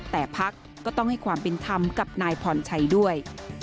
แต่พักก็ต้องให้ความเป็นธรรมกับนายพรชัยด้วย